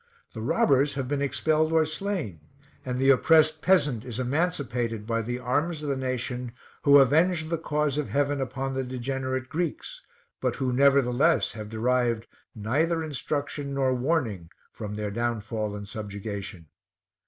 The robbers have been expelled or slain, and the oppressed peasant is emancipated by the arms of the nation who avenged the cause of Heaven upon the degenerate Greeks, but who nevertheless have derived neither instruction nor warning from their downfall and subjugation.